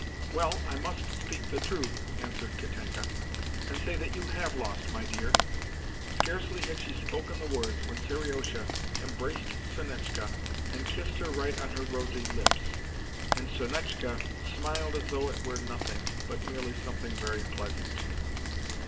"Well, I must speak the truth," answered Katenka, "and say that you have lost, my dear." Scarcely had she spoken the words when Seriosha embraced Sonetchka, and kissed her right on her rosy lips! And Sonetchka smiled as though it were nothing, but merely something very pleasant!